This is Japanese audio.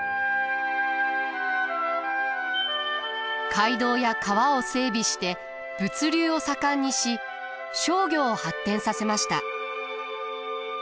街道や川を整備して物流を盛んにし商業を発展させました。